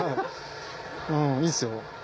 いいっすよ